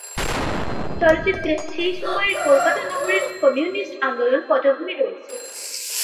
চলচ্চিত্রে সেই সময়ের কলকাতা নগরীর কমিউনিস্ট আন্দোলন পটভূমি রয়েছে।